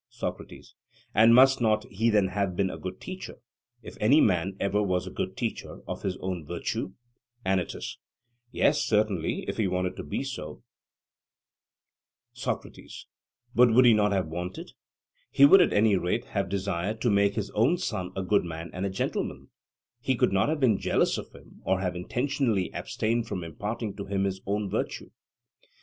SOCRATES: And must not he then have been a good teacher, if any man ever was a good teacher, of his own virtue? ANYTUS: Yes certainly, if he wanted to be so. SOCRATES: But would he not have wanted? He would, at any rate, have desired to make his own son a good man and a gentleman; he could not have been jealous of him, or have intentionally abstained from imparting to him his own virtue.